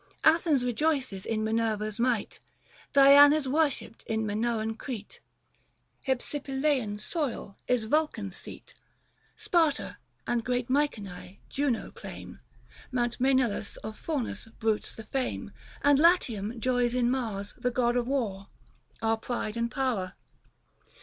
Athens rejoices in Minerva's might ; Diana's worshipped in Minoian Crete ; Hypsipyleian soil is Vulcan's seat ; 90 Sparta and great Mycenae — Juno, claim ; Mount Msenalus of Faunus bruits the fame ;. And Latium joys in Mars, the god of war, Our pride and power.